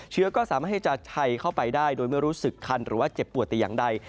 เชื้อก็สามารถให้จะชัยเข้าไปได้โดยไม่รู้สึกคันหรือว่าเจ็บปวดแต่อย่างใด